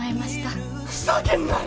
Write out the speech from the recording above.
ふざけんなよ！